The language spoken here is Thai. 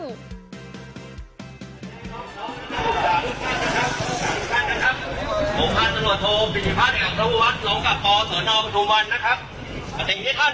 ขออนุญาตของท่าน